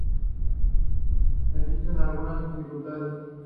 Existen algunas dificultades.